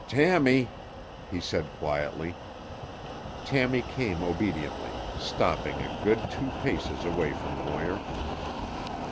"Tammy," he said quietly. Tammy came obediently, stopping a good two paces away from Moir.